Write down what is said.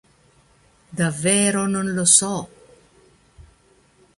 Davvero non lo so.